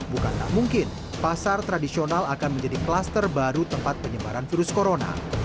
bukanlah mungkin pasar tradisional akan menjadi klaster baru tempat penyebaran virus corona